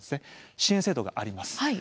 支援制度があります。